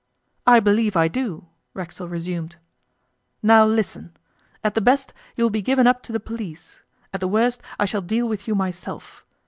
'I believe I do,' Racksole resumed. 'Now listen. At the best, you will be given up to the police. At the worst, I shall deal with you myself.